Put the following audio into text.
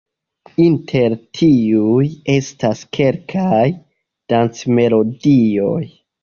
Inter tiuj estas kelkaj dancmelodioj.